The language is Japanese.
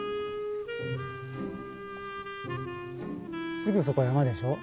すぐそこ山でしょう？